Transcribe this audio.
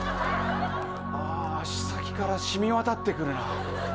ああ足先からしみ渡ってくるな。